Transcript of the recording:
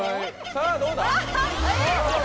さぁどうだ？